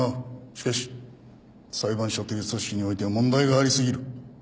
しかし裁判所という組織においては問題があり過ぎる。